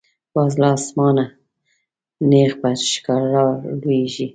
باز له آسمانه نیغ پر ښکار را لویږي